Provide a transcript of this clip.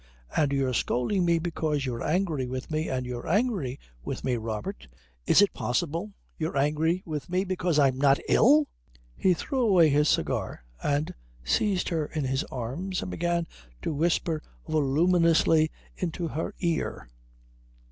And you're scolding me because you're angry with me, and you're angry with me Robert, is it possible you're angry with me because I'm not ill?" He threw away his cigar and seized her in his arms and began to whisper voluminously into her ear.